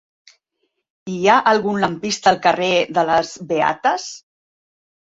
Hi ha algun lampista al carrer de les Beates?